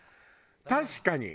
確かに。